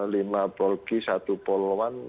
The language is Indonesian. lima polki satu polwan